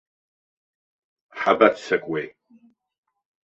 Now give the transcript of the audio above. Ҳабаццакуеи.